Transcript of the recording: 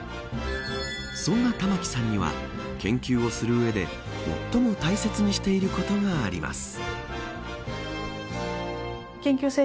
そんな玉城さんには研究をするうえで最も大切にしていることがあります。